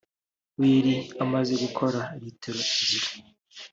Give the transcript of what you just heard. we yari amaze gukora litiro ebyiri